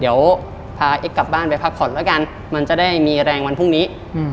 เดี๋ยวพาเอ็กกลับบ้านไปพักผ่อนแล้วกันมันจะได้มีแรงวันพรุ่งนี้